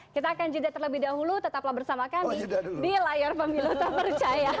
kita akan juda terlebih dahulu tetaplah bersama kami di layar pemilu tak percaya